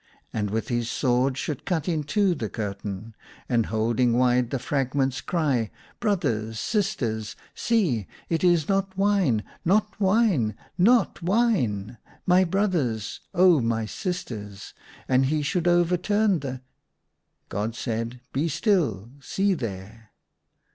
' and with his sword should cut in two the curtain, ACROSS MY BED. 147 and holding wide the fragments, cry, ' Brothers, sisters, see ! it is not wine, not wine ! not wine ! My brothers, oh, my sisters —!' and he should overturn the " God said, " Be still !, see there."